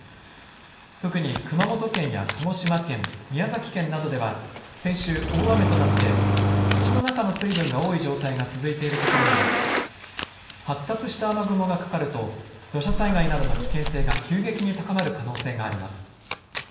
特に熊本県や鹿児島県、宮崎県などでは先週、大雨となって土の中の水分が多い状態が続いている所があり発達した雨雲がかかると土砂災害などの危険性が急激に高まる可能性があります。